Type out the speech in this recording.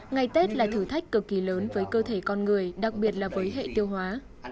ngày tết là thử thách cực kỳ lớn với cơ thể con người đặc biệt là với hệ tiêu hóa